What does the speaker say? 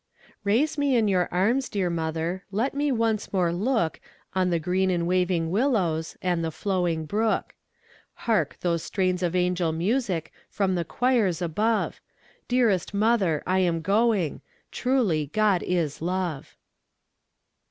Raise me in your arms, dear mother, Let me once more look On the green and waving willows, And the flowing brook; Hark, those strains of angel music From the choirs above! Dearest mother, I am going, Truly "God is love."